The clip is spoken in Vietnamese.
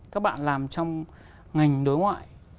các bạn làm trong ngành đối ngoại